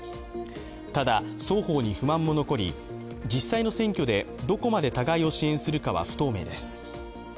ただ双方に不満も残り、実際の選挙で、どこまで互いを支援するかは不透明です。